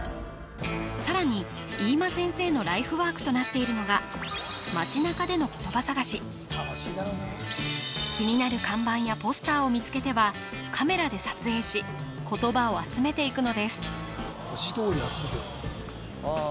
さらに飯間先生のライフワークとなっているのが気になる看板やポスターを見つけてはカメラで撮影し言葉を集めていくのですあ